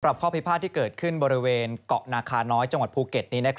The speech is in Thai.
ข้อพิพาทที่เกิดขึ้นบริเวณเกาะนาคาน้อยจังหวัดภูเก็ตนี้